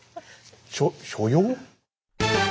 しょ所用？